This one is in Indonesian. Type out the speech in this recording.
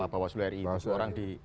bawasula ri lima orang di